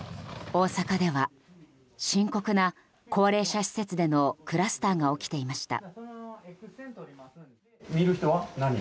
大阪では深刻な高齢者施設でのクラスターが起きていました。